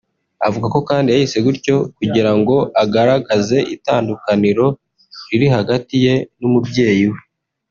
avuga ko kandi yayise gutyo kugira ngo agaragaze itandukaniro riri hagati ye n’umubyeyi we